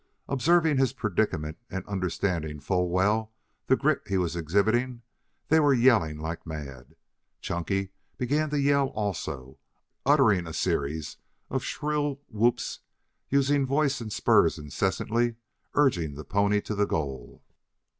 Observing his predicament and understanding full well the grit he was exhibiting, they were yelling like mad. Chunky began to yell also, uttering a series of shrill whoops, using voice and spurs incessantly, urging the pony to the goal.